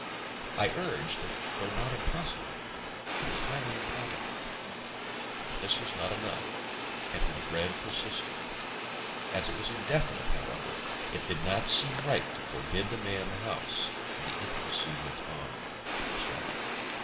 I urged that, though not impossible, it was highly improbable. But this was not enough, and her dread persisted. As it was indefinite, however, it did not seem right to forbid the man the house, and the intimacy went on unchecked.